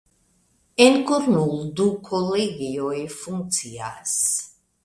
En Kurnul du kolegioj funkcias.